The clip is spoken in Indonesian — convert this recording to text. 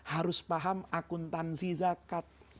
harus paham akuntansi zakat